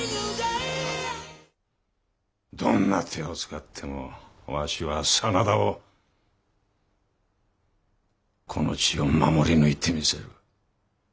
どんな手を使ってもわしは真田をこの地を守り抜いてみせる。